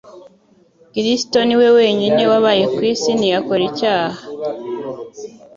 Kristo ni we wenyine wabaye ku isi ntiyakora icyaha;